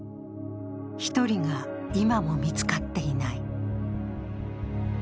１人が今も見つかっていない。